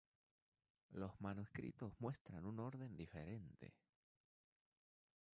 Los manuscritos muestran un orden diferente.